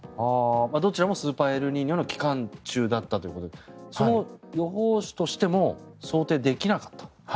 どちらもスーパーエルニーニョの期間中だったということで予報士としても想定できなかった？